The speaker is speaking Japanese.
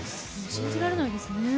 信じられないですね。